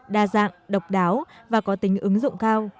đa dạng độc đáo và có tính ứng dụng cao